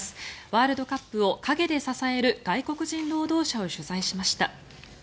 ワールドカップを陰で支える外国人労働者を取材しました。